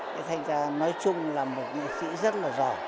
thế thành ra nói chung là một nghệ sĩ rất là giỏi